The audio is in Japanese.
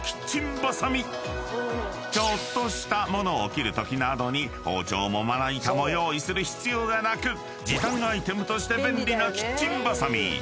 ［ちょっとした物を切るときなどに包丁もまな板も用意する必要がなく時短アイテムとして便利なキッチンばさみ］